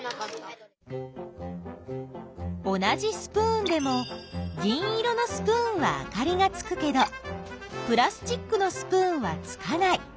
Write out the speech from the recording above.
同じスプーンでも銀色のスプーンはあかりがつくけどプラスチックのスプーンはつかない。